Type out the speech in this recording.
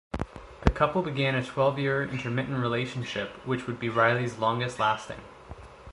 The couple began a twelve-year intermittent relationship which would be Riley's longest lasting.